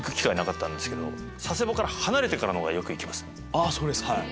あそうですか！